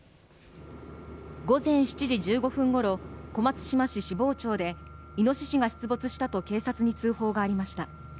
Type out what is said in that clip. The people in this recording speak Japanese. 午前７時１５分ごろ小松島市芝生町でイノシシが出没したと警察に通報がありました。